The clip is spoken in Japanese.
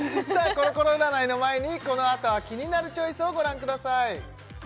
コロコロ占いの前にこのあとは「キニナルチョイス」をご覧ください